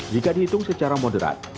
jika dihitung secara moderat